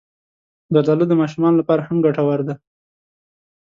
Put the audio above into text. زردالو د ماشومانو لپاره هم ګټور دی.